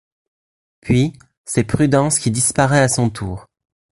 Puis, c'est Prudence qui disparaît à son tour.